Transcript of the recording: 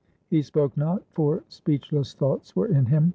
He spoke not, for speechless thoughts were in him.